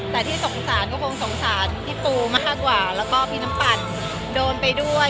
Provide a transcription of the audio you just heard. แต่ที่สงสารก็คงสงสารพี่ปูมากกว่าแล้วก็พี่น้ำปั่นโดนไปด้วย